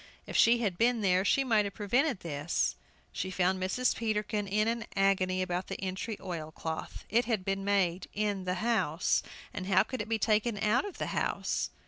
If she had been there she might have prevented this. She found Mrs. Peterkin in an agony about the entry oil cloth. It had been made in the house, and how could it be taken out of the house?